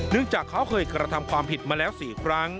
เนื่องจากเขาเคยกระทำความผิดมาแล้วสี่ครั้ง